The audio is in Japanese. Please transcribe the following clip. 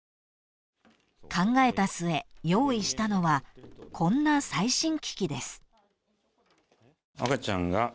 ［考えた末用意したのはこんな最新機器です］